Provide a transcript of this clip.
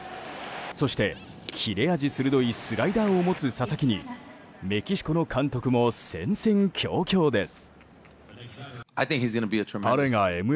そして、切れ味鋭いスライダーを持つ佐々木にメキシコの監督も戦々恐々です。